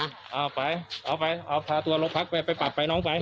เอาไปเอาไปเอาพาตัวลงพักไปไปปรับไปน้องไป